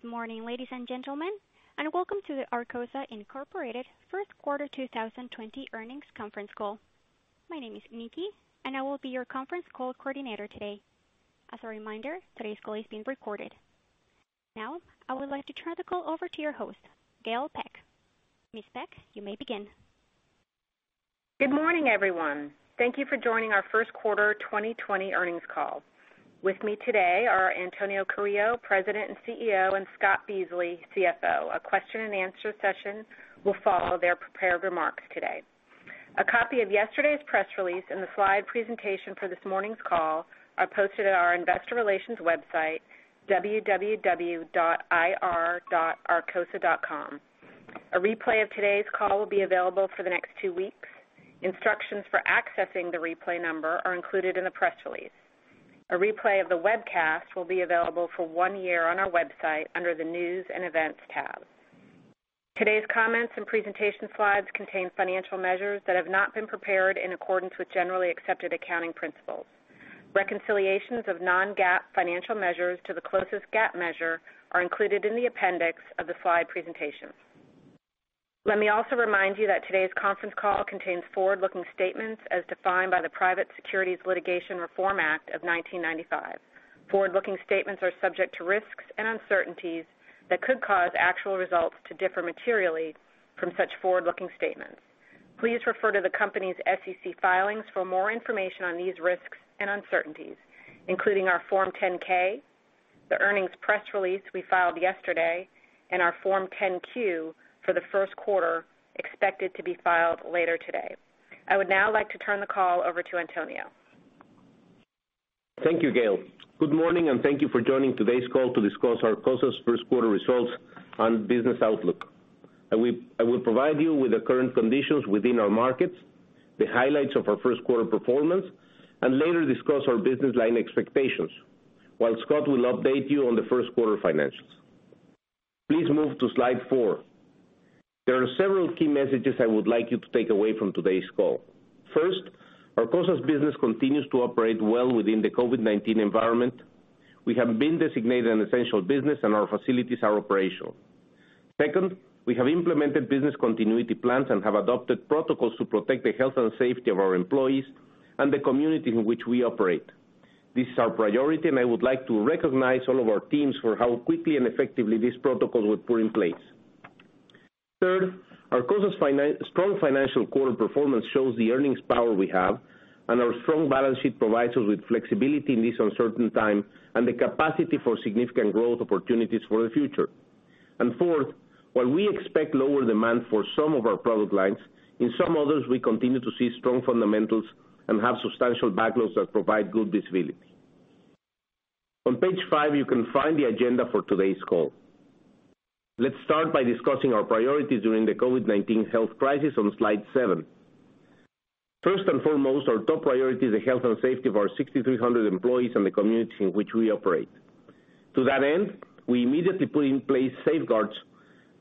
Good morning, ladies and gentlemen, and welcome to the Arcosa Incorporated First Quarter 2020 Earnings Conference Call. My name is Nikki, and I will be your conference call coordinator today. As a reminder, today's call is being recorded. Now, I would like to turn the call over to your host, Gail Peck. Ms. Peck, you may begin. Good morning, everyone. Thank you for joining our first quarter 2020 earnings call. With me today are Antonio Carrillo, President and CEO, and Scott Beasley, CFO. A question and answer session will follow their prepared remarks today. A copy of yesterday's press release and the slide presentation for this morning's call are posted at our investor relations website, www.ir.arcosa.com. A replay of today's call will be available for the next two weeks. Instructions for accessing the replay number are included in the press release. A replay of the webcast will be available for one year on our website under the News & Events tab. Today's comments and presentation slides contain financial measures that have not been prepared in accordance with Generally Accepted Accounting Principles. Reconciliations of non-GAAP financial measures to the closest GAAP measure are included in the appendix of the slide presentation. Let me also remind you that today's conference call contains forward-looking statements as defined by the Private Securities Litigation Reform Act of 1995. Forward-looking statements are subject to risks and uncertainties that could cause actual results to differ materially from such forward-looking statements. Please refer to the company's SEC filings for more information on these risks and uncertainties, including our Form 10-K, the earnings press release we filed yesterday, and our Form 10-Q for the first quarter, expected to be filed later today. I would now like to turn the call over to Antonio. Thank you, Gail. Good morning, and thank you for joining today's call to discuss Arcosa's first quarter results and business outlook. I will provide you with the current conditions within our markets, the highlights of our first quarter performance, and later discuss our business line expectations. While Scott will update you on the first quarter financials. Please move to slide four. There are several key messages I would like you to take away from today's call. First, Arcosa's business continues to operate well within the COVID-19 environment. We have been designated an essential business, and our facilities are operational. Second, we have implemented business continuity plans and have adopted protocols to protect the health and safety of our employees and the community in which we operate. This is our priority, and I would like to recognize all of our teams for how quickly and effectively these protocols were put in place. Third, Arcosa's strong financial quarter performance shows the earnings power we have, and our strong balance sheet provides us with flexibility in this uncertain time and the capacity for significant growth opportunities for the future. Fourth, while we expect lower demand for some of our product lines, in some others, we continue to see strong fundamentals and have substantial backlogs that provide good visibility. On page five, you can find the agenda for today's call. Let's start by discussing our priorities during the COVID-19 health crisis on slide seven. First and foremost, our top priority is the health and safety of our 6,300 employees and the community in which we operate. To that end, we immediately put in place safeguards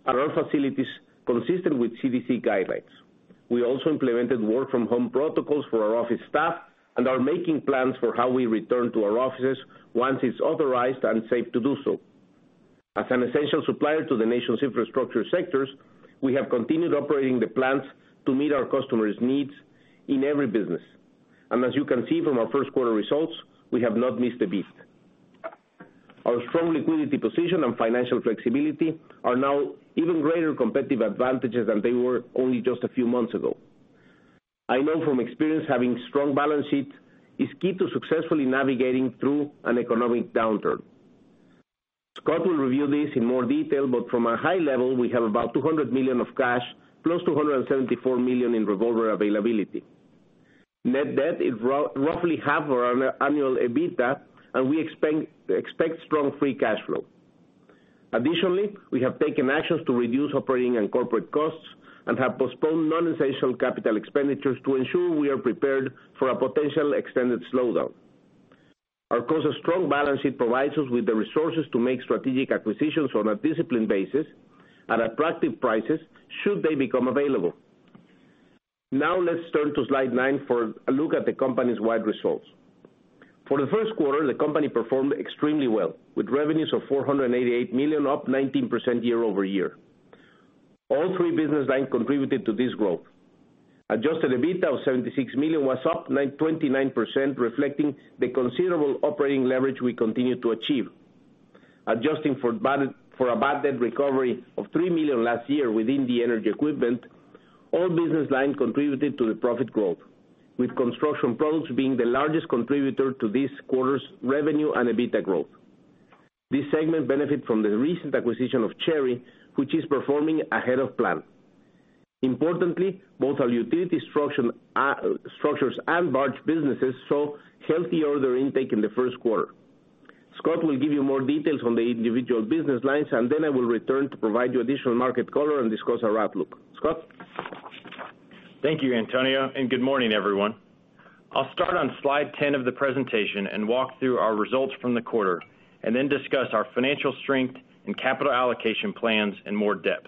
at our facilities consistent with CDC guidelines. We also implemented work from home protocols for our office staff and are making plans for how we return to our offices once it's authorized and safe to do so. As an essential supplier to the nation's infrastructure sectors, we have continued operating the plants to meet our customers' needs in every business. As you can see from our first quarter results, we have not missed a beat. Our strong liquidity position and financial flexibility are now even greater competitive advantages than they were only just a few months ago. I know from experience, having a strong balance sheet is key to successfully navigating through an economic downturn. Scott will review this in more detail, but from a high level, we have about $200 million of cash, +$274 million in revolver availability. Net debt is roughly half our annual EBITDA, and we expect strong free cash flow. Additionally, we have taken actions to reduce operating and corporate costs and have postponed non-essential capital expenditures to ensure we are prepared for a potential extended slowdown. Arcosa's strong balance sheet provides us with the resources to make strategic acquisitions on a disciplined basis at attractive prices should they become available. Now, let's turn to slide nine for a look at the company's wide results. For the first quarter, the company performed extremely well with revenues of $488 million, up 19% year-over-year. All three business lines contributed to this growth. Adjusted EBITDA of $76 million was up 29%, reflecting the considerable operating leverage we continue to achieve. Adjusting for a bad debt recovery of $3 million last year within the energy equipment, all business lines contributed to the profit growth, with construction products being the largest contributor to this quarter's revenue and EBITDA growth. This segment benefited from the recent acquisition of Cherry, which is performing ahead of plan. Importantly, both our utility structures and barge businesses saw healthy order intake in the first quarter. Scott will give you more details on the individual business lines. Then I will return to provide you additional market color and discuss our outlook. Scott? Thank you, Antonio. Good morning, everyone. I'll start on slide 10 of the presentation and walk through our results from the quarter, and then discuss our financial strength and capital allocation plans in more depth.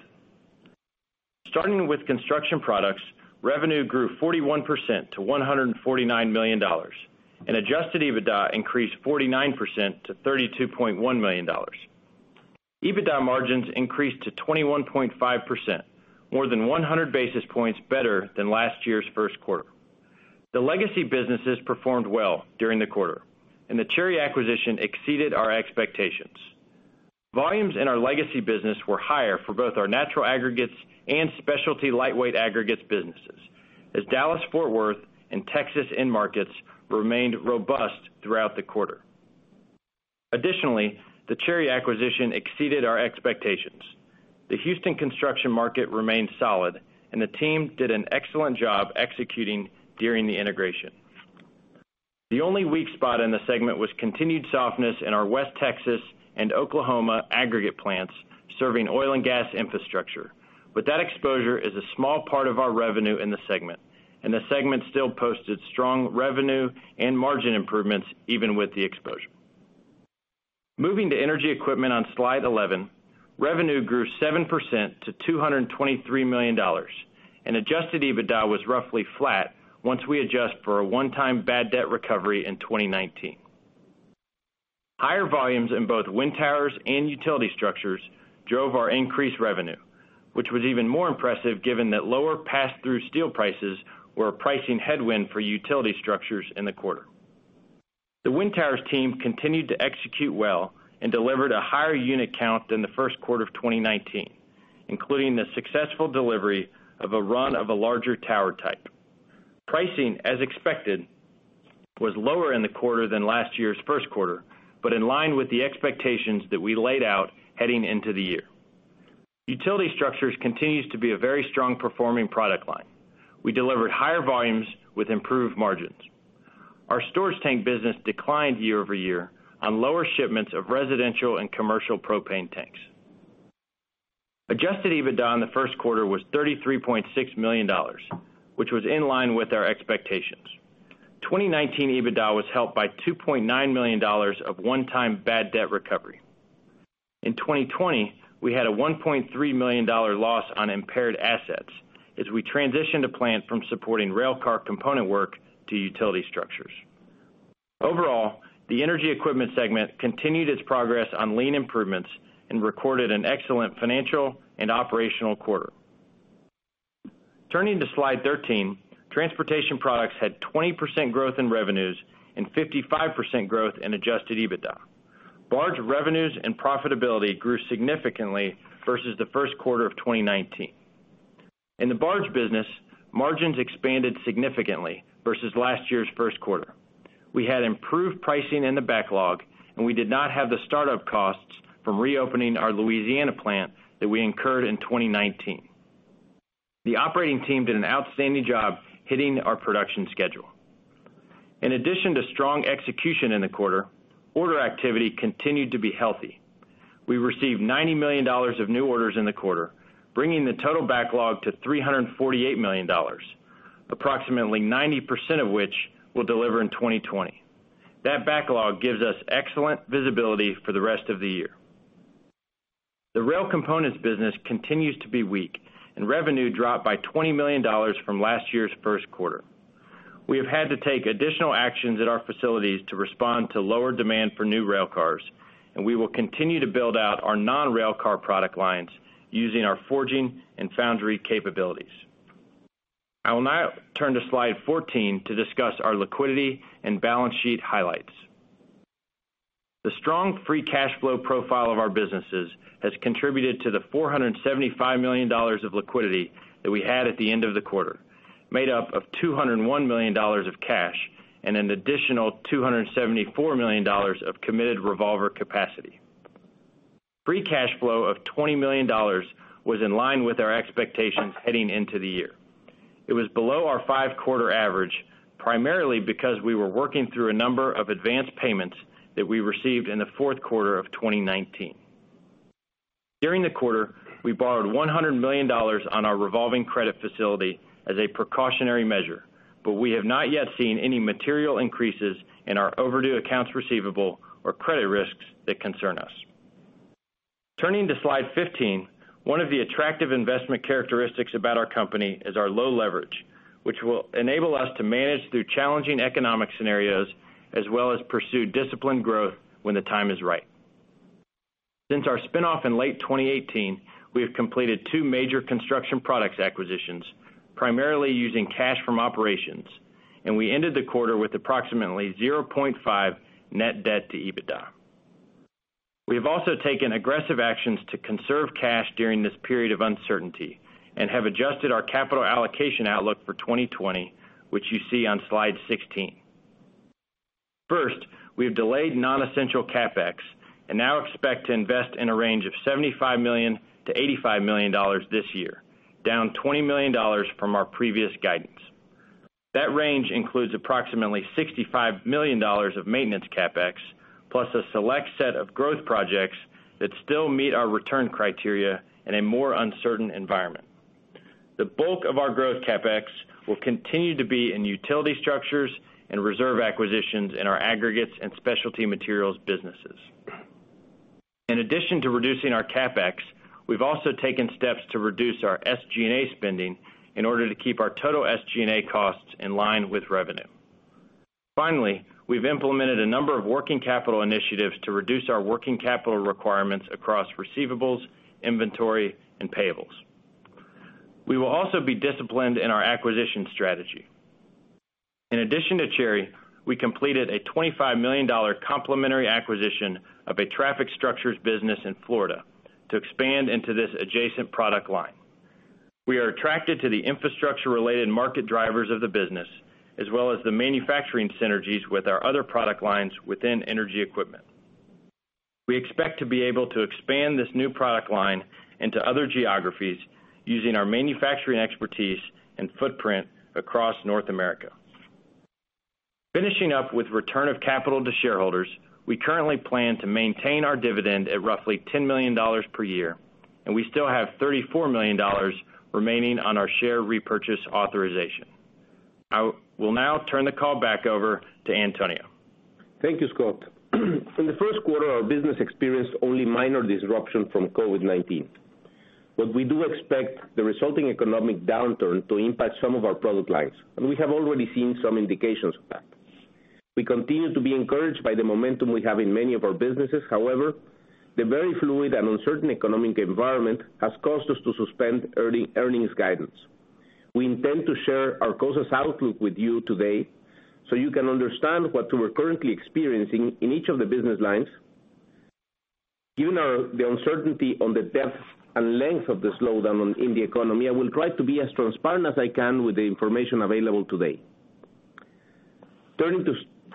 Starting with construction products, revenue grew 41% to $149 million, and adjusted EBITDA increased 49% to $32.1 million. EBITDA margins increased to 21.5%, more than 100 basis points better than last year's first quarter. The legacy businesses performed well during the quarter, and the Cherry acquisition exceeded our expectations. Volumes in our legacy business were higher for both our natural aggregates and specialty lightweight aggregates businesses, as Dallas-Fort Worth and Texas end markets remained robust throughout the quarter. Additionally, the Cherry acquisition exceeded our expectations. The Houston construction market remained solid, and the team did an excellent job executing during the integration. The only weak spot in the segment was continued softness in our West Texas and Oklahoma aggregate plants serving oil and gas infrastructure. That exposure is a small part of our revenue in the segment, and the segment still posted strong revenue and margin improvements even with the exposure. Moving to energy equipment on slide 11, revenue grew 7% to $223 million, and adjusted EBITDA was roughly flat once we adjust for a one-time bad debt recovery in 2019. Higher volumes in both wind towers and utility structures drove our increased revenue, which was even more impressive given that lower pass-through steel prices were a pricing headwind for utility structures in the quarter. The wind towers team continued to execute well and delivered a higher unit count than the first quarter of 2019, including the successful delivery of a run of a larger tower type. Pricing, as expected, was lower in the quarter than last year's first quarter, but in line with the expectations that we laid out heading into the year. Utility structures continues to be a very strong performing product line. We delivered higher volumes with improved margins. Our storage tank business declined year-over-year on lower shipments of residential and commercial propane tanks. Adjusted EBITDA in the first quarter was $33.6 million, which was in line with our expectations. 2019 EBITDA was helped by $2.9 million of one-time bad debt recovery. In 2020, we had a $1.3 million loss on impaired assets as we transitioned a plant from supporting railcar component work to utility structures. Overall, the Energy Equipment segment continued its progress on lean improvements and recorded an excellent financial and operational quarter. Turning to slide 13, Transportation Products had 20% growth in revenues and 55% growth in adjusted EBITDA. Barge revenues and profitability grew significantly versus the first quarter of 2019. In the barge business, margins expanded significantly versus last year's first quarter. We had improved pricing in the backlog, and we did not have the startup costs from reopening our Louisiana plant that we incurred in 2019. The operating team did an outstanding job hitting our production schedule. In addition to strong execution in the quarter, order activity continued to be healthy. We received $90 million of new orders in the quarter, bringing the total backlog to $348 million, approximately 90% of which we'll deliver in 2020. That backlog gives us excellent visibility for the rest of the year. The rail components business continues to be weak, and revenue dropped by $20 million from last year's first quarter. We have had to take additional actions at our facilities to respond to lower demand for new railcars, and we will continue to build out our non-railcar product lines using our forging and foundry capabilities. I will now turn to slide 14 to discuss our liquidity and balance sheet highlights. The strong free cash flow profile of our businesses has contributed to the $475 million of liquidity that we had at the end of the quarter, made up of $201 million of cash and an additional $274 million of committed revolver capacity. Free cash flow of $20 million was in line with our expectations heading into the year. It was below our five-quarter average, primarily because we were working through a number of advanced payments that we received in the fourth quarter of 2019. During the quarter, we borrowed $100 million on our revolving credit facility as a precautionary measure, but we have not yet seen any material increases in our overdue accounts receivable or credit risks that concern us. Turning to slide 15, one of the attractive investment characteristics about our company is our low leverage, which will enable us to manage through challenging economic scenarios as well as pursue disciplined growth when the time is right. Since our spin-off in late 2018, we have completed two major construction products acquisitions, primarily using cash from operations. We ended the quarter with approximately 0.5x net debt to EBITDA. We have also taken aggressive actions to conserve cash during this period of uncertainty and have adjusted our capital allocation outlook for 2020, which you see on slide 16. First, we have delayed non-essential CapEx and now expect to invest in a range of $75 million-$85 million this year, down $20 million from our previous guidance. That range includes approximately $65 million of maintenance CapEx, plus a select set of growth projects that still meet our return criteria in a more uncertain environment. The bulk of our growth CapEx will continue to be in utility structures and reserve acquisitions in our aggregates and specialty materials businesses. In addition to reducing our CapEx, we've also taken steps to reduce our SG&A spending in order to keep our total SG&A costs in line with revenue. Finally, we've implemented a number of working capital initiatives to reduce our working capital requirements across receivables, inventory, and payables. We will also be disciplined in our acquisition strategy. In addition to Cherry, we completed a $25 million complimentary acquisition of a traffic structures business in Florida to expand into this adjacent product line. We are attracted to the infrastructure-related market drivers of the business, as well as the manufacturing synergies with our other product lines within energy equipment. We expect to be able to expand this new product line into other geographies using our manufacturing expertise and footprint across North America. Finishing up with return of capital to shareholders, we currently plan to maintain our dividend at roughly $10 million per year. We still have $34 million remaining on our share repurchase authorization. I will now turn the call back over to Antonio. Thank you, Scott. In the first quarter, our business experienced only minor disruption from COVID-19. We do expect the resulting economic downturn to impact some of our product lines, and we have already seen some indications of that. We continue to be encouraged by the momentum we have in many of our businesses. However, the very fluid and uncertain economic environment has caused us to suspend earnings guidance. We intend to share our closest outlook with you today so you can understand what we're currently experiencing in each of the business lines. Given the uncertainty on the depth and length of the slowdown in the economy, I will try to be as transparent as I can with the information available today. Turning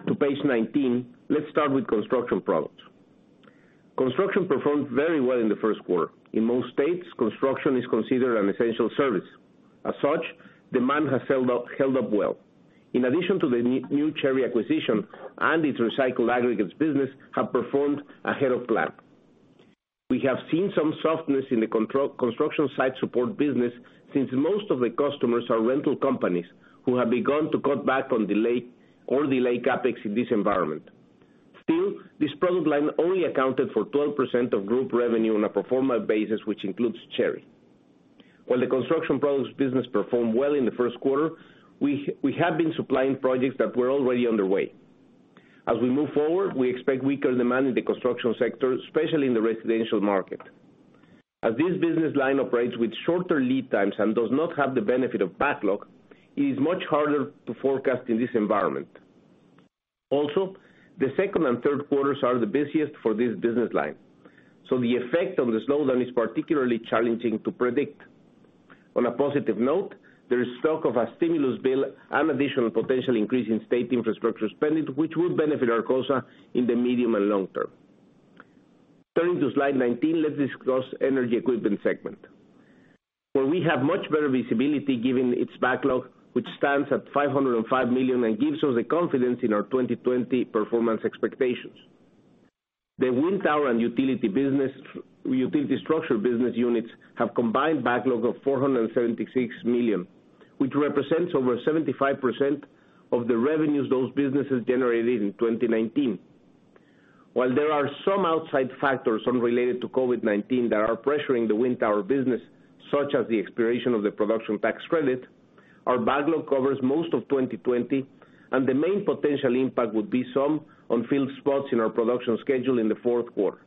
to page 19, let's start with construction products. Construction performed very well in the first quarter. In most states, construction is considered an essential service. As such, demand has held up well. In addition to the new Cherry acquisition and its recycled aggregates business have performed ahead of plan. We have seen some softness in the construction site support business since most of the customers are rental companies who have begun to cut back on delay CapEx in this environment. Still, this product line only accounted for 12% of group revenue on a pro forma basis, which includes Cherry. While the construction products business performed well in the first quarter, we have been supplying projects that were already underway. As we move forward, we expect weaker demand in the construction sector, especially in the residential market. As this business line operates with shorter lead times and does not have the benefit of backlog, it is much harder to forecast in this environment. The second and third quarters are the busiest for this business line, so the effect of the slowdown is particularly challenging to predict. On a positive note, there is talk of a stimulus bill and additional potential increase in state infrastructure spending, which would benefit Arcosa in the medium and long term. Turning to slide 19, let's discuss Energy Equipment segment, where we have much better visibility given its backlog, which stands at $505 million and gives us the confidence in our 2020 performance expectations. The wind tower and utility structure business units have combined backlog of $476 million, which represents over 75% of the revenues those businesses generated in 2019. While there are some outside factors unrelated to COVID-19 that are pressuring the wind tower business, such as the expiration of the production tax credit, our backlog covers most of 2020, and the main potential impact would be some unfilled spots in our production schedule in the fourth quarter.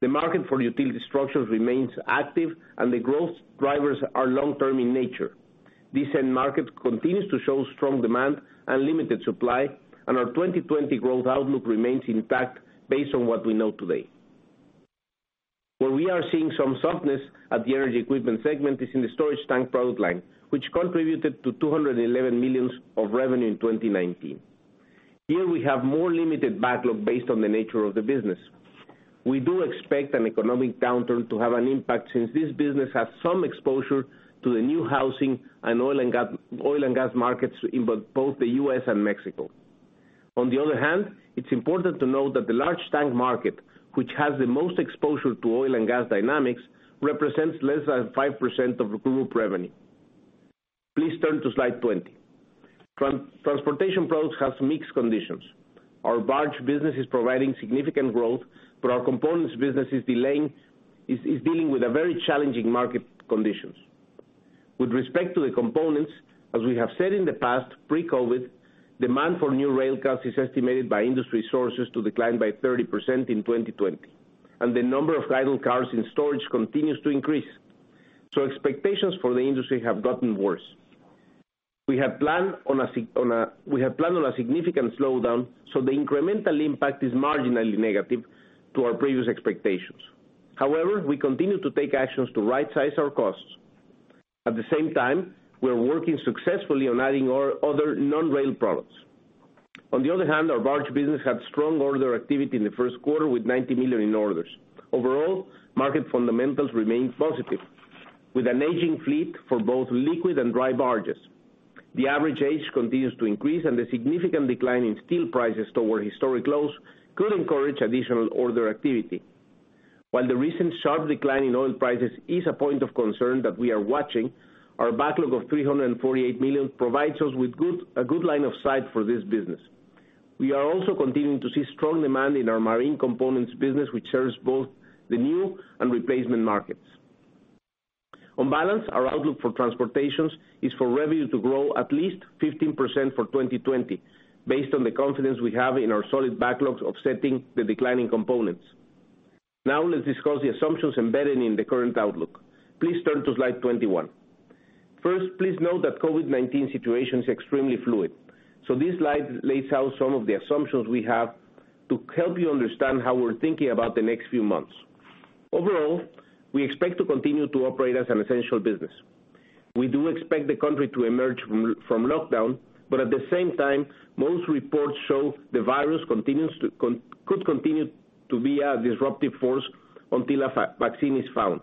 The market for utility structures remains active and the growth drivers are long-term in nature. This end market continues to show strong demand and limited supply, and our 2020 growth outlook remains intact based on what we know today. Where we are seeing some softness at the Energy Equipment segment is in the storage tank product line, which contributed to $211 million of revenue in 2019. Here we have more limited backlog based on the nature of the business. We do expect an economic downturn to have an impact since this business has some exposure to the new housing and oil and gas markets in both the U.S. and Mexico. On the other hand, it's important to note that the large tank market, which has the most exposure to oil and gas dynamics, represents less than 5% of the group revenue. Please turn to slide 20. Transportation products has mixed conditions. Our barge business is providing significant growth, but our components business is dealing with a very challenging market conditions. With respect to the components, as we have said in the past, pre-COVID, demand for new rail cars is estimated by industry sources to decline by 30% in 2020, and the number of idle cars in storage continues to increase. Expectations for the industry have gotten worse. We have planned on a significant slowdown, the incremental impact is marginally negative to our previous expectations. However, we continue to take actions to rightsize our costs. At the same time, we are working successfully on adding other non-rail products. On the other hand, our barge business had strong order activity in the first quarter with $90 million in orders. Overall, market fundamentals remain positive with an aging fleet for both liquid and dry barges. The average age continues to increase and the significant decline in steel prices toward historic lows could encourage additional order activity. While the recent sharp decline in oil prices is a point of concern that we are watching, our backlog of $348 million provides us with a good line of sight for this business. We are also continuing to see strong demand in our marine components business, which serves both the new and replacement markets. On balance, our outlook for transportations is for revenue to grow at least 15% for 2020, based on the confidence we have in our solid backlogs offsetting the declining components. Let's discuss the assumptions embedded in the current outlook. Please turn to slide 21. First, please note that COVID-19 situation is extremely fluid. This slide lays out some of the assumptions we have to help you understand how we're thinking about the next few months. Overall, we expect to continue to operate as an essential business. We do expect the country to emerge from lockdown, but at the same time, most reports show the virus could continue to be a disruptive force until a vaccine is found.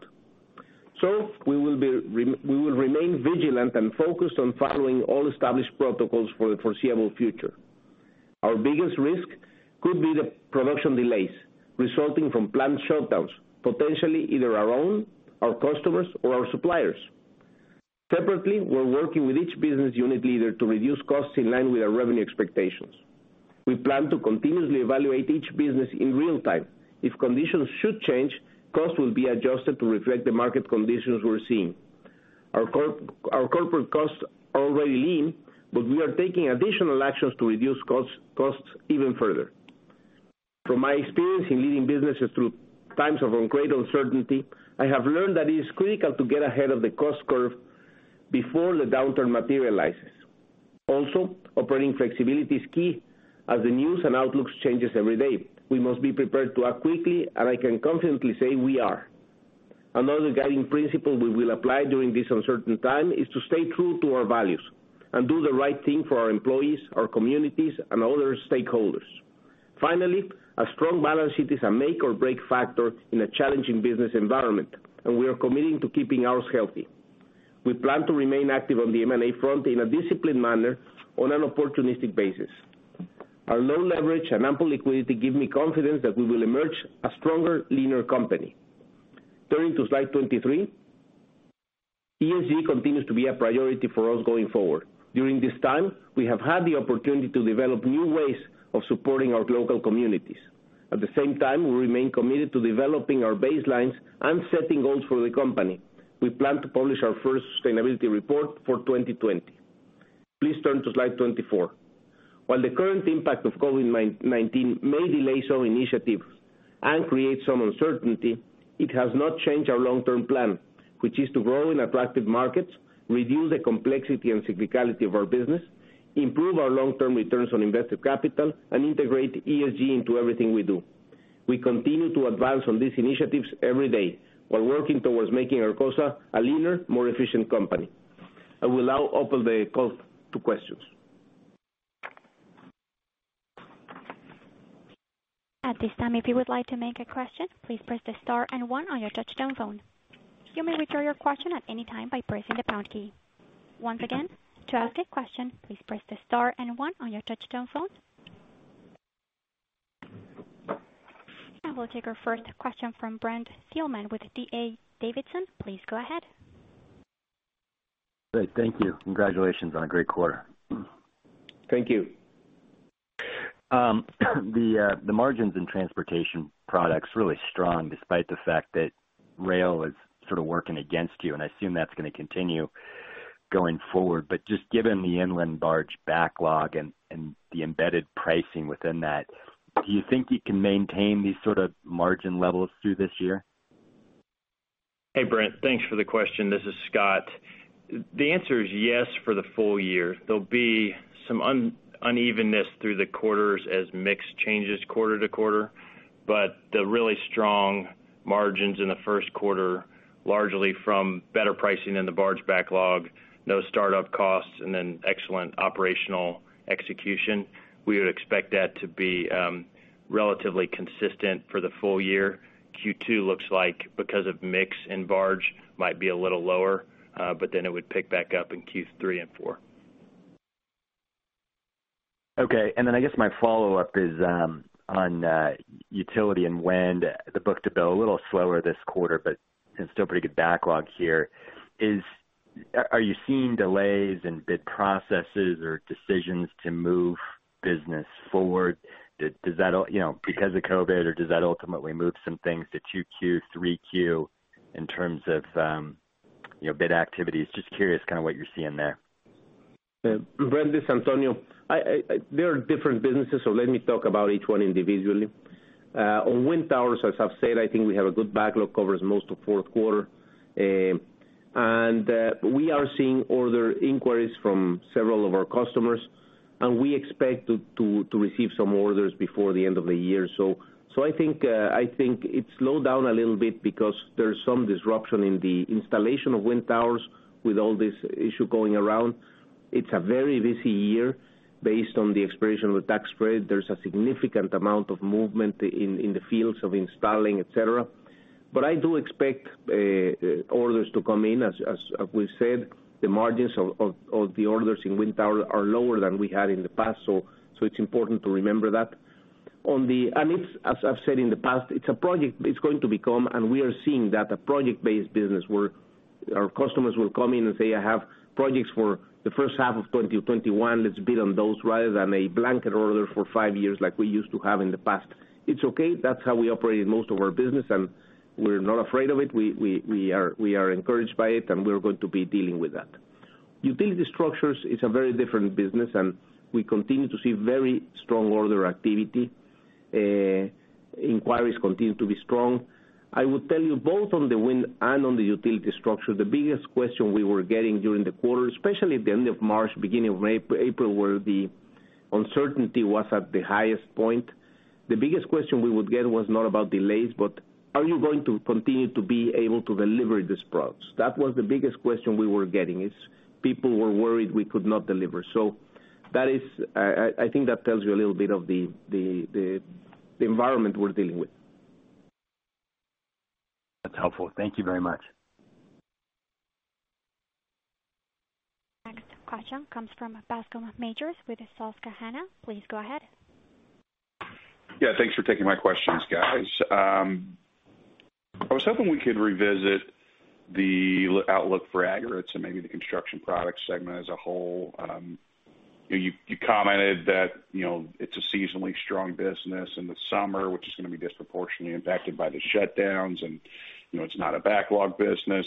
We will remain vigilant and focused on following all established protocols for the foreseeable future. Our biggest risk could be the production delays resulting from plant shutdowns, potentially either our own, our customers, or our suppliers. Separately, we're working with each business unit leader to reduce costs in line with our revenue expectations. We plan to continuously evaluate each business in real time. If conditions should change, costs will be adjusted to reflect the market conditions we're seeing. Our corporate costs are already lean, but we are taking additional actions to reduce costs even further. From my experience in leading businesses through times of great uncertainty, I have learned that it is critical to get ahead of the cost curve before the downturn materializes. Also, operating flexibility is key as the news and outlooks changes every day. We must be prepared to act quickly, and I can confidently say we are. Another guiding principle we will apply during this uncertain time is to stay true to our values and do the right thing for our employees, our communities, and other stakeholders. Finally, a strong balance sheet is a make or break factor in a challenging business environment, and we are committing to keeping ours healthy. We plan to remain active on the M&A front in a disciplined manner on an opportunistic basis. Our low leverage and ample liquidity give me confidence that we will emerge a stronger, leaner company. Turning to slide 23. ESG continues to be a priority for us going forward. During this time, we have had the opportunity to develop new ways of supporting our local communities. At the same time, we remain committed to developing our baselines and setting goals for the company. We plan to publish our first sustainability report for 2020. Please turn to slide 24. While the current impact of COVID-19 may delay some initiatives and create some uncertainty, it has not changed our long-term plan, which is to grow in attractive markets, reduce the complexity and cyclicality of our business, improve our long-term returns on invested capital, and integrate ESG into everything we do. We continue to advance on these initiatives every day while working towards making Arcosa a leaner, more efficient company. I will now open the call to questions. At this time, if you would like to make a question, please press the star and one on your touchtone phone. You may withdraw your question at any time by pressing the pound key. Once again, to ask a question, please press the star and one on your touchtone phone. I will take our first question from Brent Thielman with D.A. Davidson. Please go ahead. Great. Thank you. Congratulations on a great quarter. Thank you. The margins in transportation products are really strong despite the fact that rail is sort of working against you, and I assume that's going to continue going forward. Just given the inland barge backlog and the embedded pricing within that, do you think you can maintain these sort of margin levels through this year? Hey, Brent. Thanks for the question. This is Scott. The answer is yes for the full year. There'll be some unevenness through the quarters as mix changes quarter to quarter. The really strong margins in the first quarter, largely from better pricing in the barge backlog, no startup costs, excellent operational execution. We would expect that to be relatively consistent for the full year. Q2 looks like, because of mix in barge, might be a little lower, it would pick back up in Q3 and Q4. I guess my follow-up is on utility and wind. The book-to-bill, a little slower this quarter, but it's still pretty good backlog here. Are you seeing delays in bid processes or decisions to move business forward because of COVID, or does that ultimately move some things to 2Q, 3Q in terms of bid activities? Just curious kind of what you're seeing there. Brent, this is Antonio. They are different businesses. Let me talk about each one individually. On wind towers, as I've said, I think we have a good backlog, covers most of fourth quarter. We are seeing order inquiries from several of our customers, and we expect to receive some orders before the end of the year. I think it slowed down a little bit because there's some disruption in the installation of wind towers with all this issue going around. It's a very busy year based on the expiration of the tax credit. There's a significant amount of movement in the fields of installing, et cetera. I do expect orders to come in. As we've said, the margins of the orders in wind tower are lower than we had in the past, so it's important to remember that. As I've said in the past, it's going to become, and we are seeing that, a project-based business where our customers will come in and say, "I have projects for the first half of 2021. Let's bid on those rather than a blanket order for five years like we used to have in the past." It's okay. That's how we operate most of our business, and we're not afraid of it. We are encouraged by it, and we're going to be dealing with that. Utility structures is a very different business, and we continue to see very strong order activity. Inquiries continue to be strong. I would tell you both on the wind and on the utility structure, the biggest question we were getting during the quarter, especially at the end of March, beginning of April, where the uncertainty was at the highest point. The biggest question we would get was not about delays, but are you going to continue to be able to deliver these products? That was the biggest question we were getting, is people were worried we could not deliver. I think that tells you a little bit of the environment we're dealing with. That's helpful. Thank you very much. Next question comes from Bascome Majors with Susquehanna. Please go ahead. Yeah. Thanks for taking my questions, guys. I was hoping we could revisit the outlook for aggregates and maybe the construction product segment as a whole. You commented that it's a seasonally strong business in the summer, which is going to be disproportionately impacted by the shutdowns, and it's not a backlog business.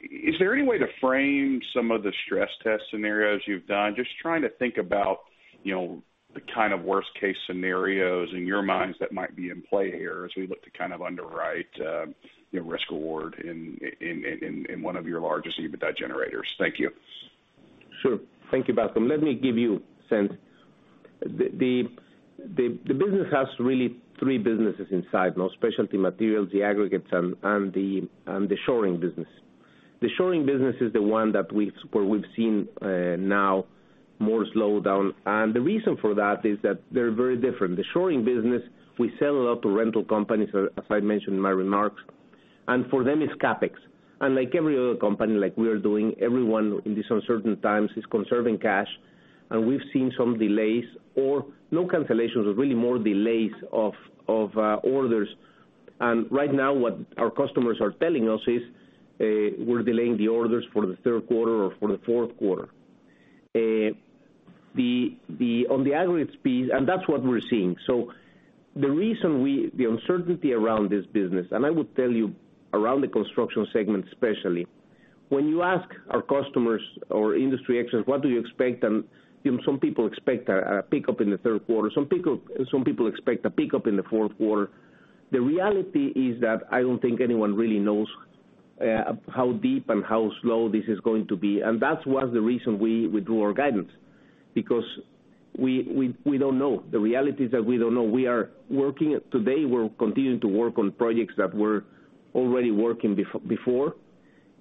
Is there any way to frame some of the stress test scenarios you've done? Just trying to think about the kind of worst-case scenarios in your minds that might be in play here as we look to underwrite risk award in one of your largest EBITDA generators. Thank you. Sure. Thank you, Bascome. Let me give you a sense. The business has really three businesses inside: specialty materials, the aggregates, and the shoring business. The shoring business is the one where we've seen now more slowdown, and the reason for that is that they're very different. The shoring business, we sell a lot to rental companies, as I mentioned in my remarks. For them, it's CapEx. Like every other company, like we are doing, everyone in these uncertain times is conserving cash, and we've seen some delays or no cancellations, but really more delays of orders. Right now what our customers are telling us is, we're delaying the orders for the third quarter or for the fourth quarter. That's what we're seeing. The reason the uncertainty around this business, and I would tell you around the construction segment especially, when you ask our customers or industry experts, what do you expect? Some people expect a pickup in the third quarter. Some people expect a pickup in the fourth quarter. The reality is that I don't think anyone really knows how deep and how slow this is going to be. That was the reason we withdrew our guidance, because we don't know. The reality is that we don't know. Today, we're continuing to work on projects that we're already working before.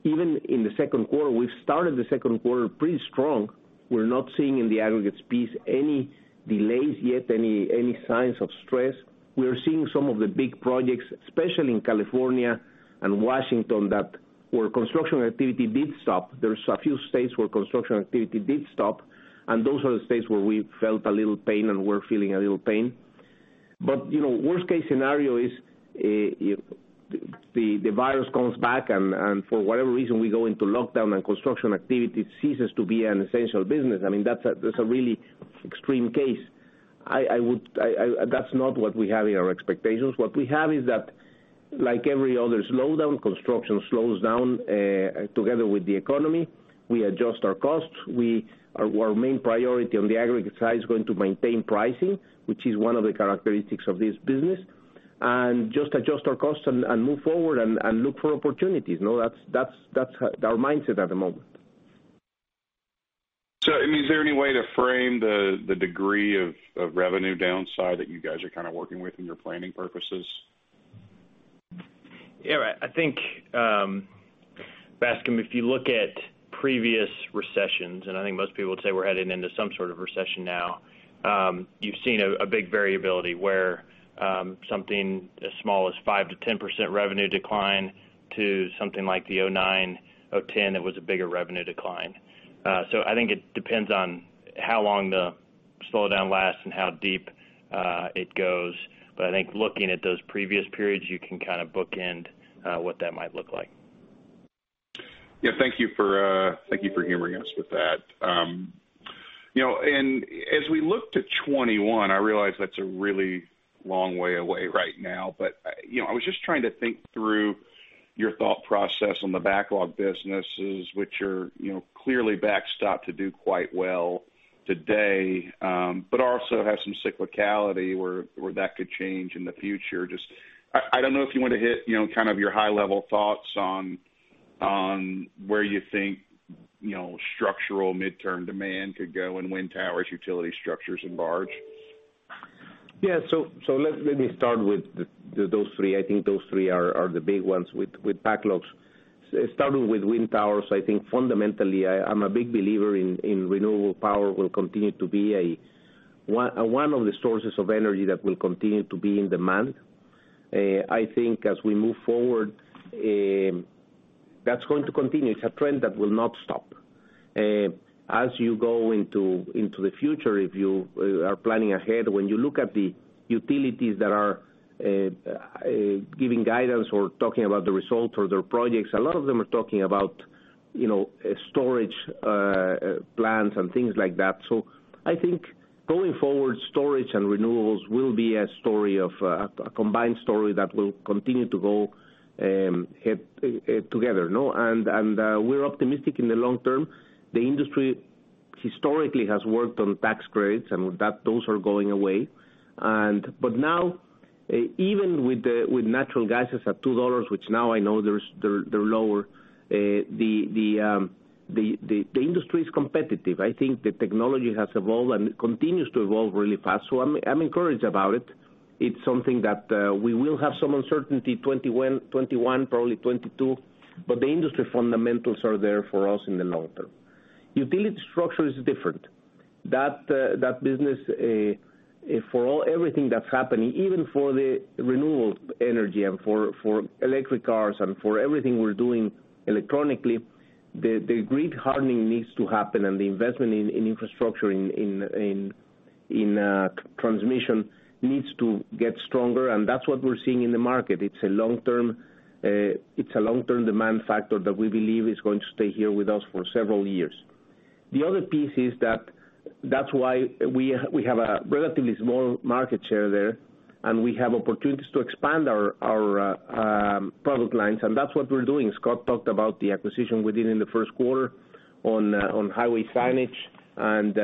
Even in the second quarter, we've started the second quarter pretty strong. We're not seeing in the aggregates piece any delays yet, any signs of stress. We are seeing some of the big projects, especially in California and Washington, where construction activity did stop. There's a few states where construction activity did stop, and those are the states where we felt a little pain and we're feeling a little pain. Worst case scenario is the virus comes back, and for whatever reason, we go into lockdown and construction activity ceases to be an essential business. That's a really extreme case. That's not what we have in our expectations. What we have is that like every other slowdown, construction slows down together with the economy. We adjust our costs. Our main priority on the aggregate side is going to maintain pricing, which is one of the characteristics of this business, and just adjust our costs and move forward and look for opportunities. That's our mindset at the moment. Is there any way to frame the degree of revenue downside that you guys are kind of working with in your planning purposes? Yeah. Bascome, if you look at previous recessions, I think most people would say we're heading into some sort of recession now, you've seen a big variability where something as small as 5%-10% revenue decline to something like the 2009, 2010, that was a bigger revenue decline. I think it depends on how long the slowdown lasts and how deep it goes. I think looking at those previous periods, you can kind of bookend what that might look like. Yeah. Thank you for humoring us with that. As we look to 2021, I realize that's a really long way away right now, but I was just trying to think through your thought process on the backlog businesses, which are clearly backstop to do quite well today. Also have some cyclicality where that could change in the future. I don't know if you want to hit kind of your high-level thoughts on where you think structural midterm demand could go in wind towers, utility structures, and barge. Yeah. Let me start with those three. I think those three are the big ones with backlogs. Starting with wind towers, I think fundamentally, I'm a big believer in renewable power will continue to be one of the sources of energy that will continue to be in demand. That's going to continue. It's a trend that will not stop. As you go into the future, if you are planning ahead, when you look at the utilities that are giving guidance or talking about the results or their projects, a lot of them are talking about storage plans and things like that. I think going forward, storage and renewables will be a combined story that will continue to go together. We're optimistic in the long term. The industry historically has worked on tax credits, and those are going away. Now, even with natural gas at $2, which now I know they're lower, the industry is competitive. I think the technology has evolved and continues to evolve really fast. I'm encouraged about it. It's something that we will have some uncertainty 2021, probably 2022, but the industry fundamentals are there for us in the long term. Utility structure is different. That business, for everything that's happening, even for the renewable energy and for electric cars and for everything we're doing electronically, the grid hardening needs to happen, and the investment in infrastructure, in transmission needs to get stronger, and that's what we're seeing in the market. It's a long-term demand factor that we believe is going to stay here with us for several years. The other piece is that that's why we have a relatively small market share there, and we have opportunities to expand our product lines, and that's what we're doing. Scott talked about the acquisition we did in the first quarter on highway signage, and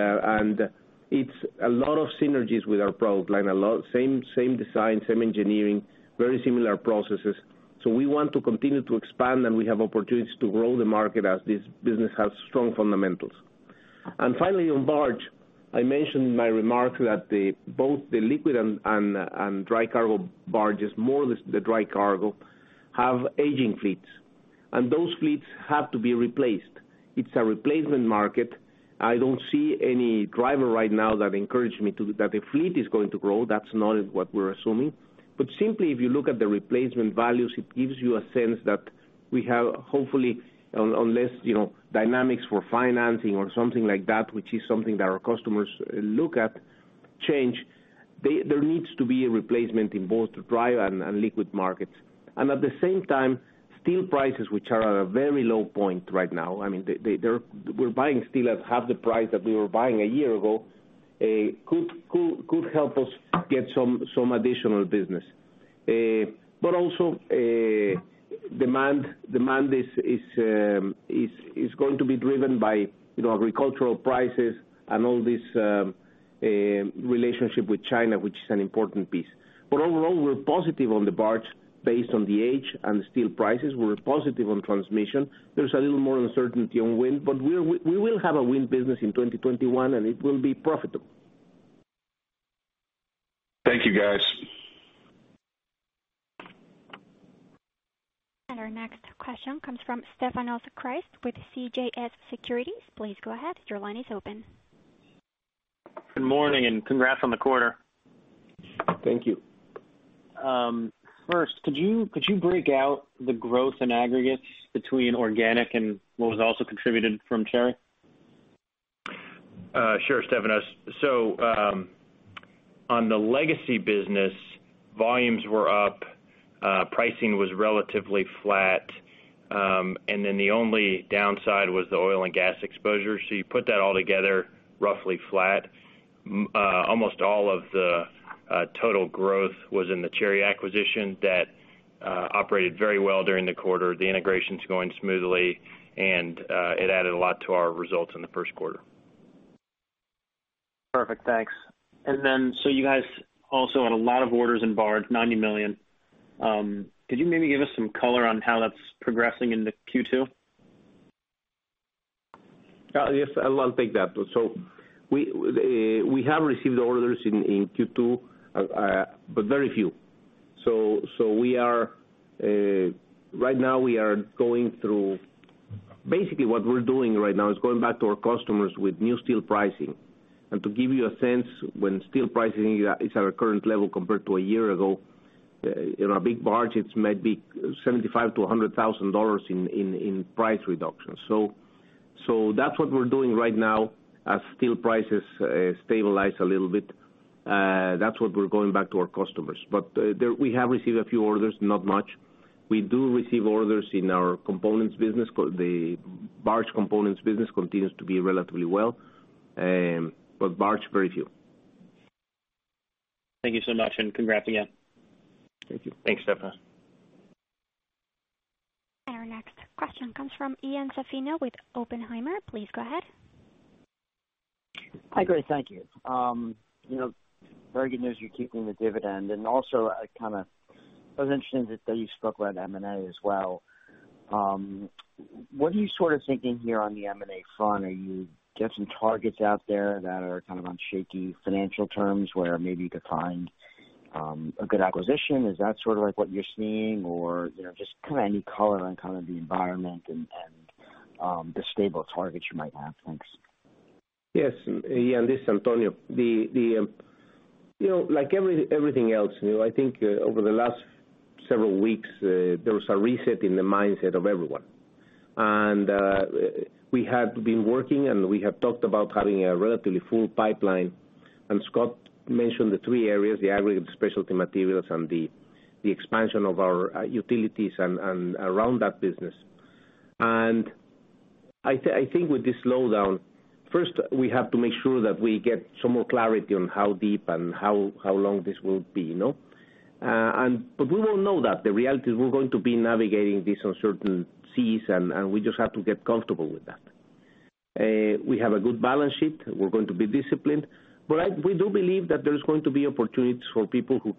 it's a lot of synergies with our product line. Same design, same engineering. Very similar processes. We want to continue to expand, and we have opportunities to grow the market as this business has strong fundamentals. Finally, on barge, I mentioned in my remarks that both the liquid and dry cargo barges, more or less the dry cargo, have aging fleets, and those fleets have to be replaced. It's a replacement market. I don't see any driver right now that encouraged me that the fleet is going to grow. That's not what we're assuming. Simply, if you look at the replacement values, it gives you a sense that we have, hopefully, unless dynamics for financing or something like that, which is something that our customers look at, change. There needs to be a replacement in both dry and liquid markets. At the same time, steel prices, which are at a very low point right now. We're buying steel at half the price that we were buying a year ago. Could help us get some additional business. Also, demand is going to be driven by agricultural prices and all this relationship with China, which is an important piece. Overall, we're positive on the barge based on the age and steel prices. We're positive on transmission. There's a little more uncertainty on wind, but we will have a wind business in 2021, and it will be profitable. Thank you, guys. Our next question comes from Stefanos Crist with CJS Securities. Please go ahead. Your line is open. Good morning, and congrats on the quarter. Thank you. First, could you break out the growth in aggregates between organic and what was also contributed from Cherry? Sure, Stefanos. On the legacy business, volumes were up. Pricing was relatively flat. The only downside was the oil and gas exposure. You put that all together, roughly flat. Almost all of the total growth was in the Cherry acquisition that operated very well during the quarter. The integration's going smoothly, and it added a lot to our results in the first quarter. Perfect. Thanks. You guys also had a lot of orders in barge, $90 million. Could you maybe give us some color on how that's progressing into Q2? Yes, I'll take that. We have received orders in Q2, but very few. Right now, basically what we're doing right now is going back to our customers with new steel pricing. To give you a sense, when steel pricing is at a current level compared to a year ago, in our big barges might be $75,000-$100,000 in price reduction. That's what we're doing right now as steel prices stabilize a little bit. That's what we're going back to our customers. We have received a few orders, not much. We do receive orders in our components business. The barge components business continues to be relatively well. Barge, very few. Thank you so much. Congrats again. Thank you. Thanks, Stefanos. Our next question comes from Ian Zaffino with Oppenheimer. Please go ahead. Hi, great. Thank you. Very good news you're keeping the dividend. Also, I was interested that you spoke about M&A as well. What are you sort of thinking here on the M&A front? Do you have some targets out there that are kind of on shaky financial terms where maybe you could find a good acquisition? Is that sort of like what you're seeing? Just kind of any color on the environment and the stable targets you might have? Thanks. Yes. Yeah, this is Antonio. Like everything else, I think over the last several weeks, there was a reset in the mindset of everyone. We have been working, and we have talked about having a relatively full pipeline. Scott mentioned the three areas, the aggregate, the specialty materials, and the expansion of our utilities and around that business. I think with this slowdown, first we have to make sure that we get some more clarity on how deep and how long this will be. We won't know that. The reality is we're going to be navigating these uncertain seas, and we just have to get comfortable with that. We have a good balance sheet. We're going to be disciplined. We do believe that there's going to be opportunities for people who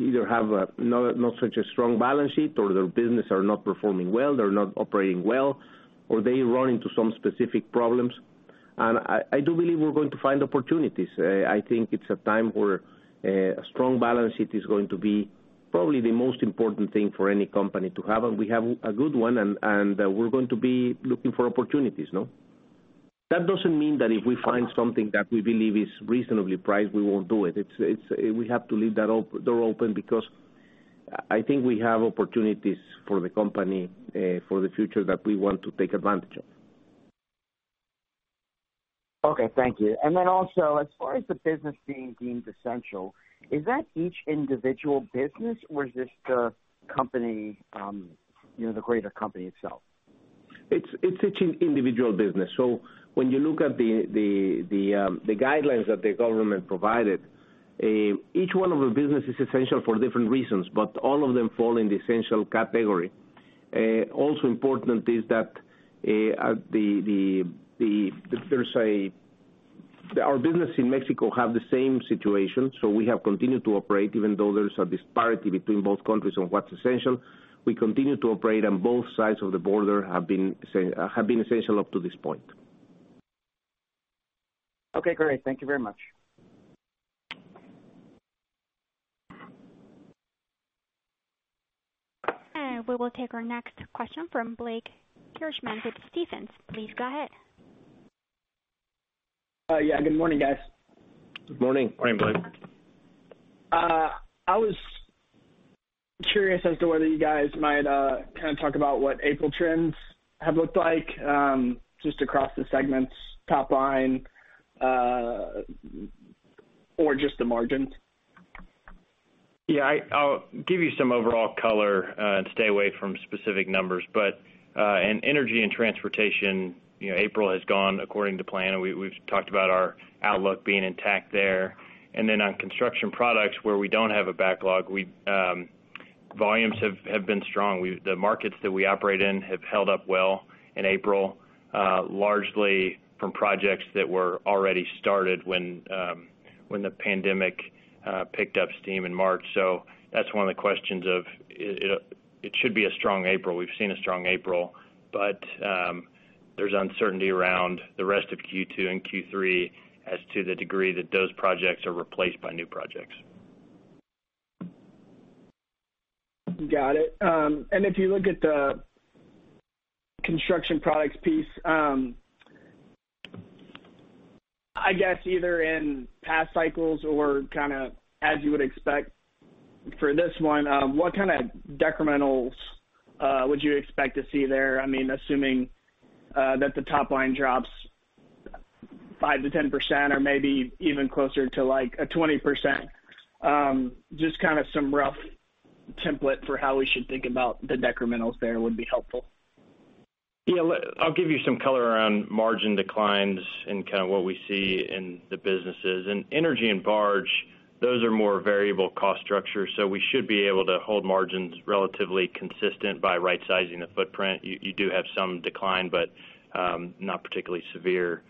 either have not such a strong balance sheet or their businesses are not performing well, they're not operating well, or they run into some specific problems. I do believe we're going to find opportunities. I think it's a time where a strong balance sheet is going to be probably the most important thing for any company to have. We have a good one, and we're going to be looking for opportunities. That doesn't mean that if we find something that we believe is reasonably priced, we won't do it. We have to leave that door open because I think we have opportunities for the company for the future that we want to take advantage of. Okay, thank you. Also, as far as the business being deemed essential, is that each individual business or is this the greater company itself? It's each individual business. When you look at the guidelines that the government provided, each one of the business is essential for different reasons, but all of them fall in the essential category. Also important is that our business in Mexico have the same situation. We have continued to operate, even though there is a disparity between both countries on what's essential. We continue to operate on both sides of the border, have been essential up to this point. Okay, great. Thank you very much. We will take our next question from Blake Hirschman with Stephens. Please go ahead. Yeah, good morning, guys. Good morning. Morning, Blake. I was curious as to whether you guys might kind of talk about what April trends have looked like, just across the segments, top line or just the margins. I'll give you some overall color and stay away from specific numbers. In energy and transportation, April has gone according to plan, and we've talked about our outlook being intact there. On construction products, where we don't have a backlog, volumes have been strong. The markets that we operate in have held up well in April, largely from projects that were already started when the pandemic picked up steam in March. That's one of the questions of it should be a strong April. We've seen a strong April. There's uncertainty around the rest of Q2 and Q3 as to the degree that those projects are replaced by new projects. Got it. If you look at the construction products piece, I guess either in past cycles or kind of as you would expect for this one, what kind of decrementals would you expect to see there? Assuming that the top line drops 5%-10% or maybe even closer to a 20%, just kind of some rough template for how we should think about the decrementals there would be helpful. Yeah. I'll give you some color around margin declines and kind of what we see in the businesses. In energy and barge, those are more variable cost structures, we should be able to hold margins relatively consistent by right-sizing the footprint. You do have some decline, but not particularly severe.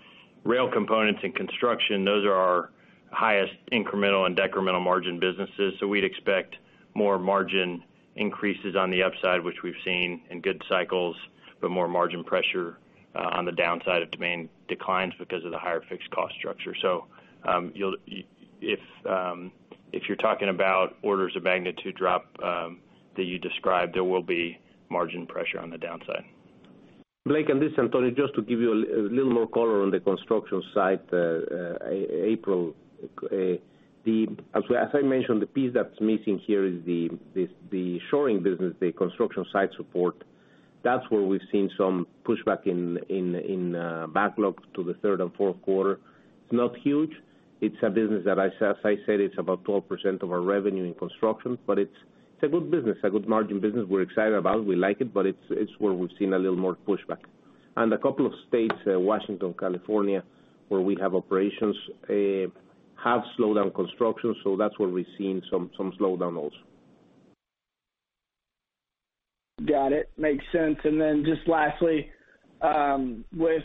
Rail components and construction, those are our highest incremental and decremental margin businesses. We'd expect more margin increases on the upside, which we've seen in good cycles, but more margin pressure on the downside of demand declines because of the higher fixed cost structure. If you're talking about orders of magnitude drop that you described, there will be margin pressure on the downside. Blake, this is Antonio, just to give you a little more color on the construction site, April. As I mentioned, the piece that's missing here is the shoring business, the construction site support. That's where we've seen some pushback in backlog to the third and fourth quarter. It's not huge. It's a business that, as I said, it's about 12% of our revenue in construction, but it's a good business, a good margin business we're excited about. We like it, but it's where we've seen a little more pushback. A couple of states, Washington, California, where we have operations, have slowed down construction, so that's where we've seen some slowdown also. Got it. Makes sense. Then just lastly, with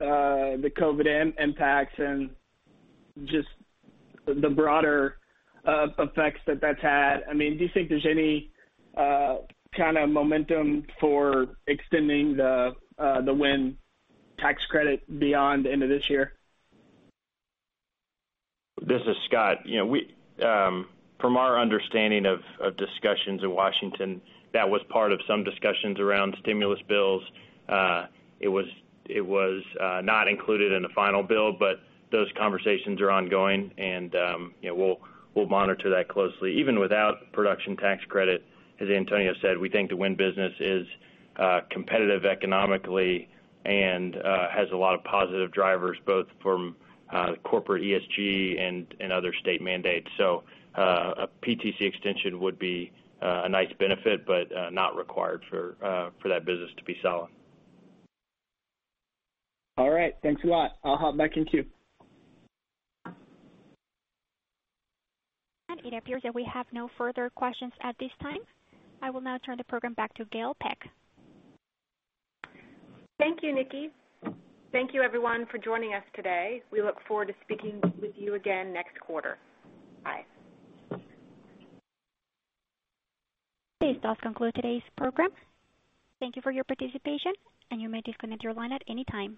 the COVID impacts and just the broader effects that that's had, do you think there's any kind of momentum for extending the wind tax credit beyond the end of this year? This is Scott. From our understanding of discussions in Washington, that was part of some discussions around stimulus bills. It was not included in the final bill, but those conversations are ongoing and we'll monitor that closely. Even without production tax credit, as Antonio said, we think the wind business is competitive economically and has a lot of positive drivers, both from corporate ESG and other state mandates. A PTC extension would be a nice benefit, but not required for that business to be solid. All right. Thanks a lot. I'll hop back in queue. It appears that we have no further questions at this time. I will now turn the program back to Gail Peck. Thank you, Nikki. Thank you everyone for joining us today. We look forward to speaking with you again next quarter. Bye. This does conclude today's program. Thank you for your participation, and you may disconnect your line at any time.